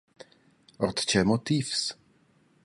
Ord tgei motivs?